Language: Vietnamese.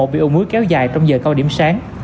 bị ồn mối kéo dài trong giờ cao điểm sáng